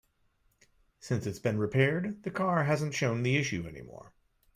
Since it's been repaired, the car hasn't shown the issue any more.